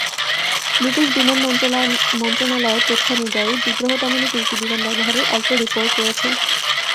British বিমান মন্ত্রণালয়ের তথ্যানুযায়ী বিদ্রোহ দমনে তুর্কি বিমান ব্যবহারের অল্প রিপোর্ট রয়েছে।